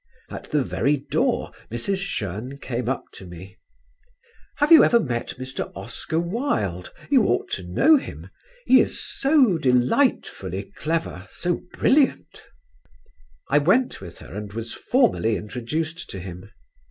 At the very door Mrs. Jeune came up to me: "Have you ever met Mr. Oscar Wilde? You ought to know him: he is so delightfully clever, so brilliant!" I went with her and was formally introduced to him.